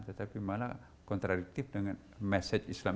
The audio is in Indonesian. tetapi malah kontradiktif dengan message islam